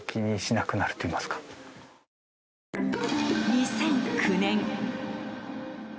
２００９年。